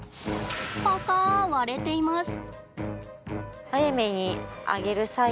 パカ割れています。